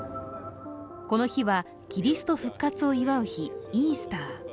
この日は、キリスト復活を祝う日、イースター。